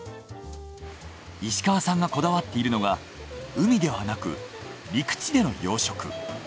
石川さんがこだわっているのが海ではなく陸地での養殖。